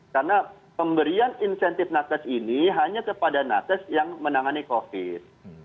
karena pemberian insentif nakas ini hanya kepada nakas yang menangani covid